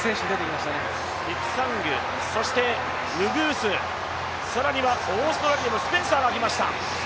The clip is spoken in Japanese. キプサング、ヌグース、更にはオーストラリアのスペンサーが来ました。